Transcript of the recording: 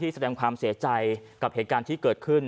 เสียใจกับเหตุการณ์ที่เกิดขึ้น